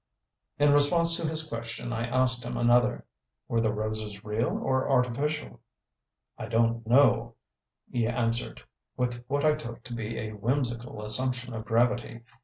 In response to his question I asked him another: "Were the roses real or artificial?" "I don't know," he answered, with what I took to be a whimsical assumption of gravity.